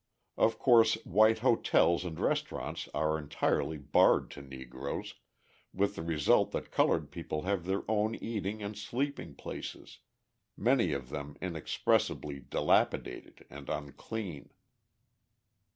Of course, white hotels and restaurants are entirely barred to Negroes, with the result that coloured people have their own eating and sleeping places, many of them inexpressibly dilapidated and unclean.